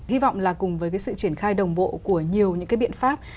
hy vọng là cùng với cái sự triển khai đồng bộ của nhiều những cái biện pháp